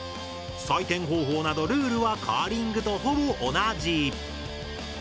採点方法などルールはカーリングとほぼ同じ。